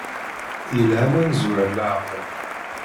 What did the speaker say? Yelha ma nezwer leɛqel.